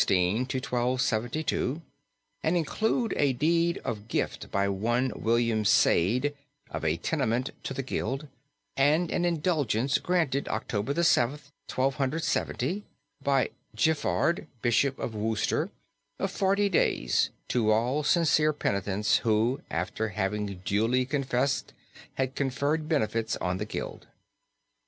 1216 1272, and include a deed of gift by one William Sede, of a tenement to the Guild, and an indulgence granted October 7th, 1270, by Giffard, Bishop of Wooster, of forty days to all sincere penitents who after having duly confessed had conferred benefits on the Guild.